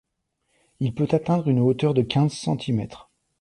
Il peut atteindre une hauteur de quinze centimètres.